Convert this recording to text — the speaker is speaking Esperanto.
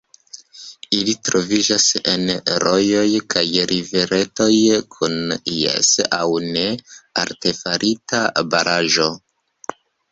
Ili troviĝas en rojoj kaj riveretoj kun jes aŭ ne artefarita baraĵo.